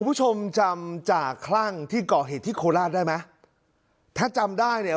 คุณผู้ชมจำจ่าคลั่งที่ก่อเหตุที่โคราชได้ไหมถ้าจำได้เนี่ย